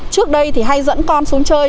trước đây thì hay dẫn con xuống chơi